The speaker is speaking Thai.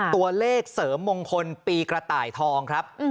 ตัวเลขเสริมมงคลปีกระต่ายทองครับ